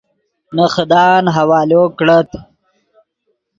نے خدان حوالو کڑت